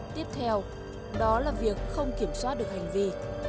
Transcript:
tiếp theo đó là việc không kiểm soát được hành vi